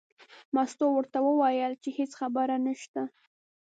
مستو ورته وویل چې هېڅ خبره نشته.